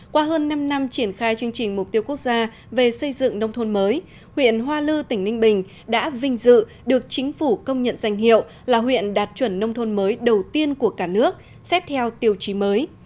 qua hơn năm năm triển khai chương trình mục tiêu quốc gia về xây dựng nông thôn mới huyện hoa lư tỉnh ninh bình đã vinh dự được chính phủ công nhận danh hiệu là huyện đạt chuẩn nông thôn mới đầu tiên của cả nước xét theo tiêu chí mới